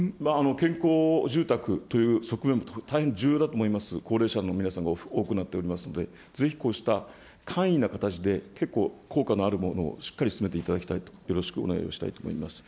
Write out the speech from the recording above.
健康住宅という側面も大変重要だと思います、高齢者の皆さんも多くなっておりますので、ぜひこうした簡易な形で結構効果のあるものをしっかり進めていただきたいと、よろしくお願いしたいと思います。